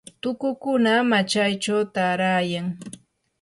tukukuna machaychaw taarayan.